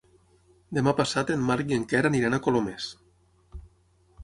Demà passat en Marc i en Quer aniran a Colomers.